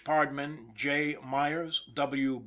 Pardman, J. Meiyers, W.